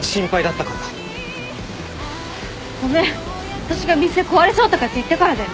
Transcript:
私が店壊れそうとかって言ったからだよね。